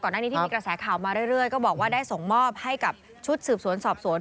หน้านี้ที่มีกระแสข่าวมาเรื่อยก็บอกว่าได้ส่งมอบให้กับชุดสืบสวนสอบสวน